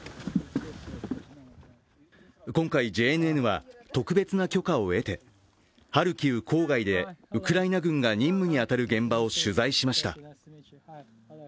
今回、ＪＮＮは特別な許可を得てハルキウ郊外でウクライナ軍が任務に当たる現場を取材しました。